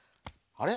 あれ？